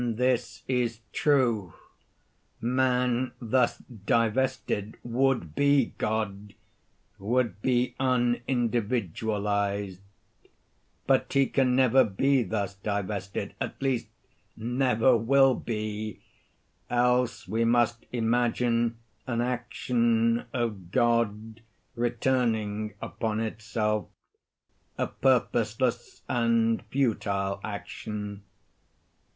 _ And this is true. Man thus divested would be God—would be unindividualized. But he can never be thus divested—at least never will be—else we must imagine an action of God returning upon itself—a purposeless and futile action.